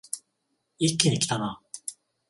一気にきたな